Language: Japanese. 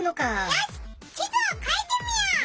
よし地図を書いてみよう！